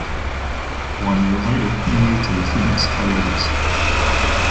One year later, he moved to the Phoenix Coyotes.